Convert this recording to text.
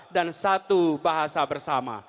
dan satu bahasa jawa